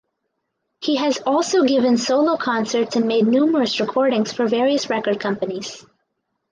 He has also given solo concerts and made numerous recordings for various record companies.